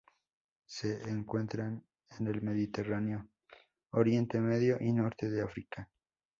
Se encuentran en el Mediterráneo, Oriente Medio, y norte de África.